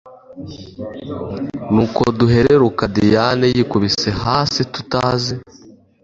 Nuko duhereruka Diane yikubise hasi Tutazi